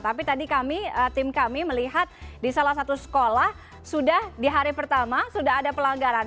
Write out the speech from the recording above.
tapi tadi kami tim kami melihat di salah satu sekolah sudah di hari pertama sudah ada pelanggaran